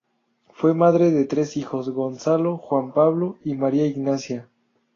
Fue madre de tres hijos: Gonzalo, Juan Pablo y María Ignacia.